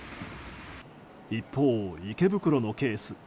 一方、池袋のケース。